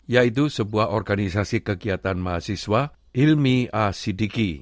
yaitu sebuah organisasi kegiatan mahasiswa hilmi a sidiki